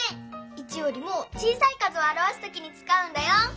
１よりも小さい数を表すときにつかうんだよ！